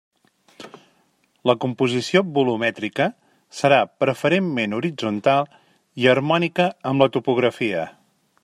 La composició volumètrica serà preferentment horitzontal i harmònica amb la topografia.